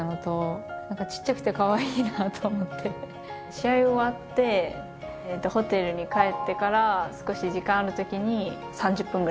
試合終わってホテルに帰ってから少し時間あるときに３０分くらい弾いたりしてます。